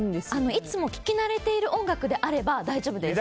いつも聴き慣れている音楽であれば大丈夫です。